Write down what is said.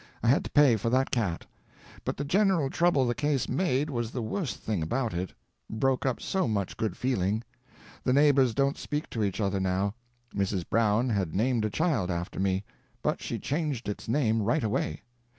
I had to pay for that cat. But the general trouble the case made was the worst thing about it. Broke up so much good feeling. The neighbors don't speak to each other now. Mrs. Brown had named a child after me. But she changed its name right away.